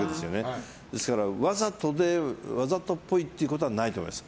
ですから、わざとっぽいことはないと思います。